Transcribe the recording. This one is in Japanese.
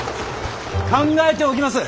考えておきます。